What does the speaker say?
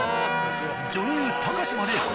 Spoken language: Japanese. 女優高島礼子